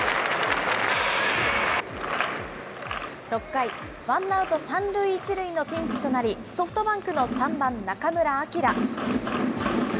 ６回、ワンアウト３塁１塁のピンチとなり、ソフトバンクの３番中村晃。